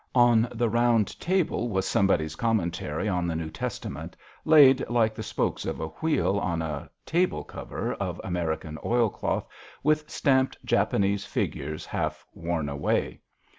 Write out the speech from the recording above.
On the round table was somebody's commentary on the New Testament laid like the spokes of a wheel on a table cover of American oilcloth with stamped Japanese figures half worn away.